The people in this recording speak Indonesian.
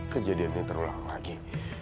kejadian ini terulang lagi